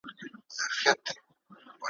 پل غوندي بې سترګو یم ملګری د کاروان یمه ,